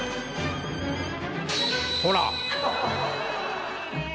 ほら！